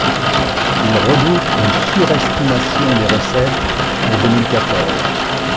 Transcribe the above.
Il redoute une surestimation des recettes pour deux mille quatorze.